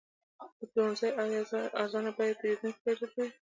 د پلورنځي ارزانه بیې پیرودونکي راجلبوي.